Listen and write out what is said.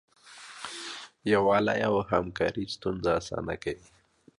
یووالی او همکاري ستونزې اسانه کوي.